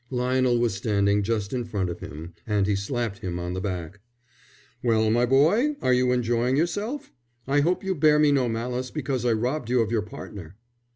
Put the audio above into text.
Lionel was standing just in front of him, and he slapped him on the back. "Well, my boy, are you enjoying yourself? I hope you bear me no malice because I robbed you of your partner."